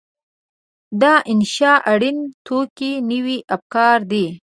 د انشأ اړین توکي نوي افکار دي.